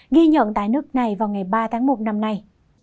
ghi nhận tại nước này vào ngày ba tháng một năm nay